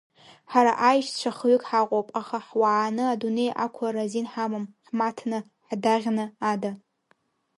Ҳара аишьцәа хҩык ҳаҟоуп, аха ҳуааны адунеи ақәлара азин ҳамам, ҳмаҭны, ҳдаӷьны ада.